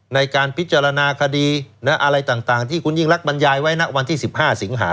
ในการพิจารณาคดีอะไรต่างที่คุณยิ่งรักบรรยายไว้ณวันที่๑๕สิงหา